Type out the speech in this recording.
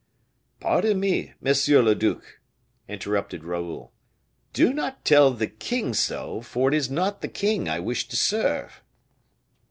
"Pardon me, monsieur le duc," interrupted Raoul, "do not tell the king so, for it is not the king I wish to serve."